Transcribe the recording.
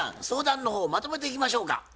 相談の方まとめていきましょうか。